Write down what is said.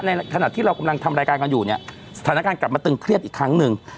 ขณะที่เรากำลังทำรายการกันอยู่เนี่ยสถานการณ์กลับมาตึงเครียดอีกครั้งหนึ่ง